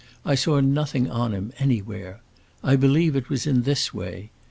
I saw nothing on him, anywhere. I believe it was in this way.